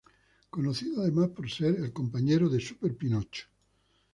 Conocido además por ser el compañero de Super Pinocho.